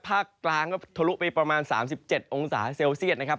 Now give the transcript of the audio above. ภาคกลางก็ทะลุไปประมาณ๓๗องศาเซลเซียตนะครับ